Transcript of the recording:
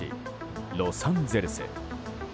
ロサンゼルス。